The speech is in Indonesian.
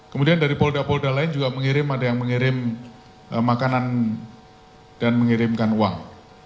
kemudian dari polda polda lain juga mengirim ada yang mengirim makanan dan mengirimkan uang